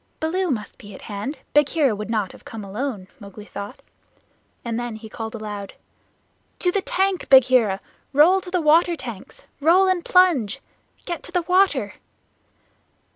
"Baloo must be at hand; Bagheera would not have come alone," Mowgli thought. And then he called aloud: "To the tank, Bagheera. Roll to the water tanks. Roll and plunge! Get to the water!"